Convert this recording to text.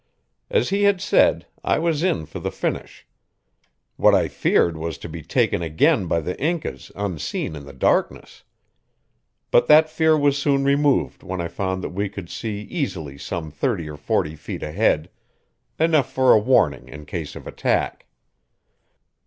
As he had said, I was in for the finish. What I feared was to be taken again by the Incas unseen in the darkness. But that fear was soon removed when I found that we could see easily some thirty or forty feet ahead enough for a warning in case of attack.